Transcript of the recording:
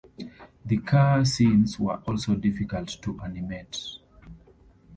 The car scenes were also difficult to animate.